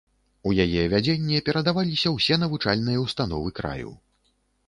У яе вядзенне перадаваліся ўсе навучальныя ўстановы краю.